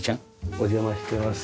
お邪魔してます。